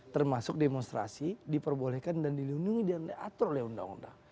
termasuk demonstrasi diperbolehkan dan dilindungi dan diatur oleh undang undang